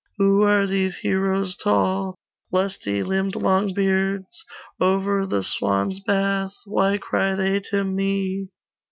'Who are these heroes tall Lusty limbed Longbeards? Over the swans' bath Why cry they to me?